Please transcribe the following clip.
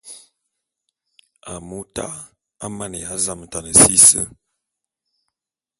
Amu ta'a amaneya zametane si.